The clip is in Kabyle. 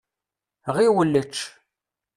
Ɣiwel ečč.